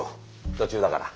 途中だから。